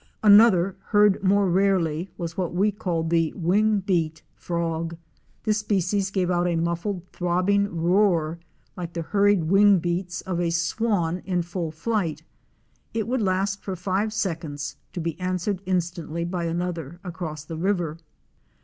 Another, heard more rarely, was what we called the Wing beat Frog. This species gave out a muffled throbbing roar like the hurried wing beats of a Swan in full flight. It would last for five seconds, to be answered instantly by another across the river.